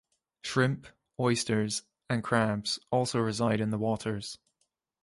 Shrimp, Oysters and crabs also reside in the waters.